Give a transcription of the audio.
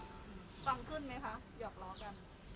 ต้องขึ้นมั้ยคะหยอกรอกัน